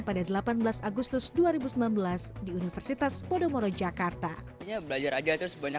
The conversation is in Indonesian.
pada delapan belas agustus dua ribu sembilan belas di universitas podomoro jakarta